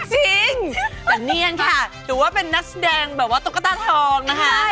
จริงแต่เนียนค่ะถือว่าเป็นนักแสดงแบบว่าตุ๊กตาทองนะคะ